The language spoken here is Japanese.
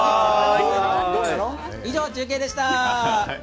以上、中継でした。